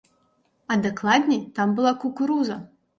А дакладней, там была кукуруза!